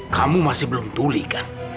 kamu masih belum tuli kan